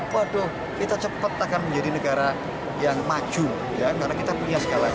waduh kita cepat akan menjadi negara yang maju ya karena kita punya segalanya